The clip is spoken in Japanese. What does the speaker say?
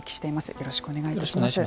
よろしくお願いします。